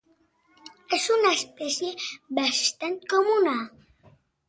És una espècie bastant comuna.